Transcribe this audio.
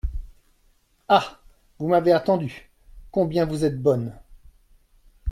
Ah ! vous m’avez attendue, combien vous êtes bonne !